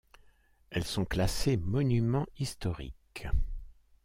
Elles sont classées monuments historiques.